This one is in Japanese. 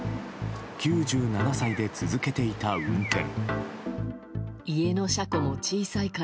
９７歳で続けていた運転。